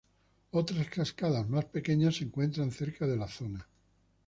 Otras cascadas más pequeñas se encuentran cerca de la zona.